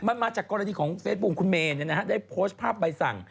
มันมาจากกรณีของเฟซบูมคุณเมย์เนี่ยนะฮะ